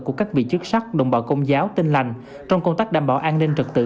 của các vị chức sắc đồng bào công giáo tin lành trong công tác đảm bảo an ninh trật tự